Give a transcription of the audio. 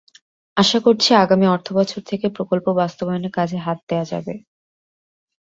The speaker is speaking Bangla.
আশা করছি, আগামী অর্থবছর থেকে প্রকল্প বাস্তবায়নের কাজে হাত দেওয়া যাবে।